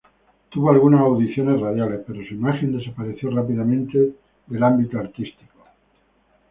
Tuvo algunas audiciones radiales pero su imagen desapareció rápidamente el del ambiente artístico.